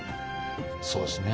そうですね。